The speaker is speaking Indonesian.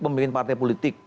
pemimpin partai politik